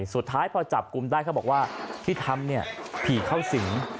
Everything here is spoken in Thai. สุดท้ายพอจับกลุ่มได้เขาบอกว่าที่ทำเนี่ยผีเข้าสิง